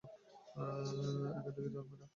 এখন এখান থেকে যান, ম্যাডাম।